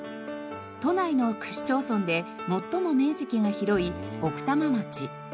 都内の区市町村で最も面積が広い奥多摩町。